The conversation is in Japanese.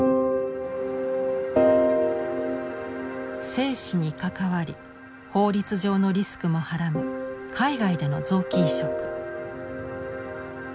生死に関わり法律上のリスクもはらむ海外での臓器移植。